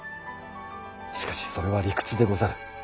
しかしそれは理屈でござる。